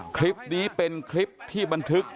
คลิปนี้เป็นคลิปที่บันทึก